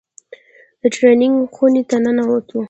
د ټرېننگ خونې ته ننوتو.